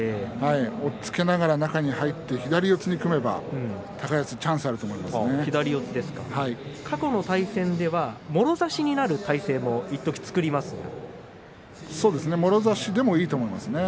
押っつけながら中に入って左四つに組めば過去の対戦ではもろ差しになるということもありますね。